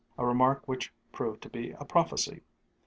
a remark which proved to be a prophecy.